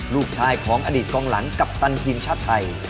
ลูกชายของอดีตกองหลังกัปตันทีมชาติไทย